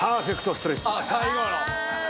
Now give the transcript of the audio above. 最後の。